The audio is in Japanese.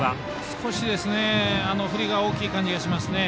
少し振りが大きい感じがしますね。